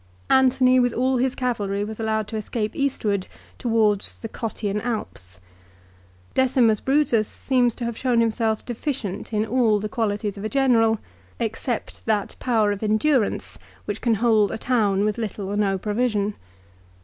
Antony with all his cavalry was allowed to escape eastward towards the Cottian Alps. Decimus Brutus seems to have shown himself deficient in all the qualities of a general, except that power of en T 2 276 LIFE OF CICERO. durance which can hold a town with little or no provision.